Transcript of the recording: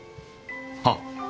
あっ！